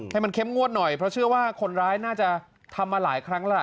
ให้มันเข้มงวดหน่อยเพราะเชื่อว่าคนร้ายน่าจะทำมาหลายครั้งแล้วล่ะ